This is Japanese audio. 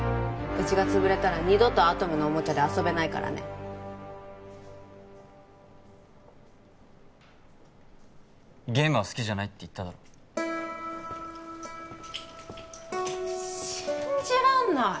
うちが潰れたら二度とアトムのおもちゃで遊べないからねゲームは好きじゃないって言っただろ信じらんない！